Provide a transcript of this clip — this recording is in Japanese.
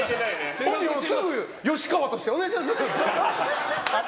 本人、すぐ吉川としてお願いしますって。